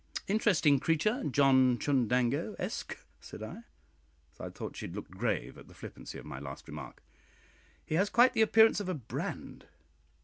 "Interesting creature, John Chundango, Esq.," said I, for I thought she had looked grave at the flippancy of my last remark; "he has quite the appearance of a 'Brand.'"